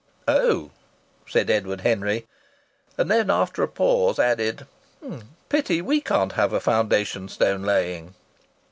"Oh!" said Edward Henry. And then after a pause added: "Pity we can't have a foundation stone laying!"